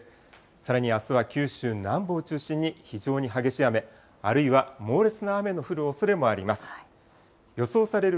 さらにあすは九州南部を中心に、非常に激しい雨、あるいは猛烈な雨の降るおそれもあります。